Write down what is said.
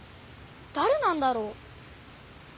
だれなんだろう？